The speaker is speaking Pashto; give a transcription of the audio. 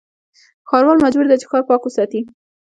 ښاروال مجبور دی چې، ښار پاک وساتي.